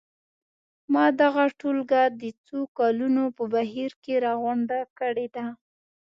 ما دغه ټولګه د څو کلونو په بهیر کې راغونډه کړې ده.